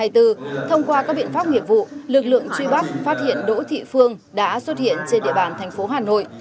thông qua các biện pháp nghiệp vụ lực lượng truy bắt phát hiện đỗ thị phương đã xuất hiện trên địa bàn thành phố hà nội